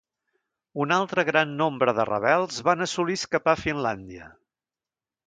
Un altre gran nombre de rebels van assolir escapar a Finlàndia.